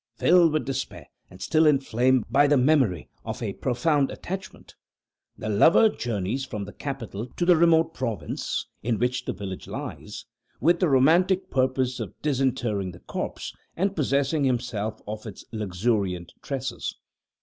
Filled with despair, and still inflamed by the memory of a profound attachment, the lover journeys from the capital to the remote province in which the village lies, with the romantic purpose of disinterring the corpse, and possessing himself of its luxuriant tresses.